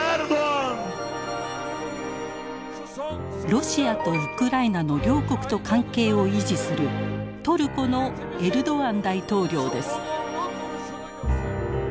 ロシアとウクライナの両国と関係を維持するトルコのエルドアン大統領です。